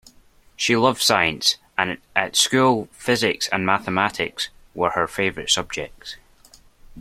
She loved science, and at school physics and mathematics were her favourite subjects